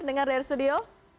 dengar dari studio